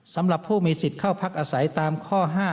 สำหรับผู้มีสิทธิ์เข้าพักอาศัยตามข้อ๕